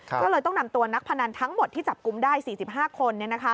ก็เลยต้องนำตัวนักพนันทั้งหมดที่จับกลุ่มได้๔๕คน